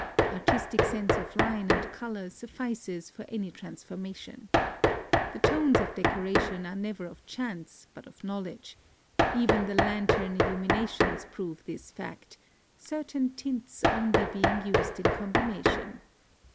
Artistic sense of line and color suffices for any transformation. The tones of decoration are never of chance, but of knowledge : even the lantern illuminations prove this fact, certain tints only being used in combination.